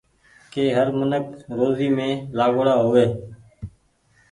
ڪي هر منک روزي مين لآگوڙآ هووي۔